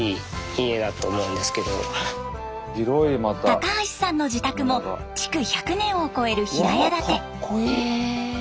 高橋さんの自宅も築１００年を超える平屋建て。